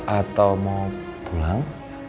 atau mau pulang